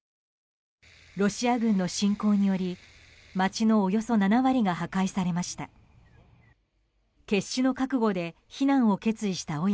ロシア軍の侵攻により、街のおよそ７割が破壊されました。